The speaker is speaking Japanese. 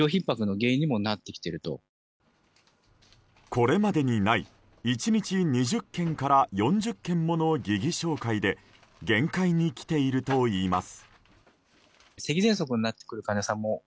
これまでにない１日２０件から４０件もの疑義照会で限界にきているといいます。